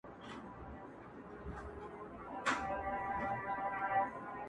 سیدشاه سعود